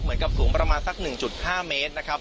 เหมือนกับสูงประมาณสัก๑๕เมตรนะครับ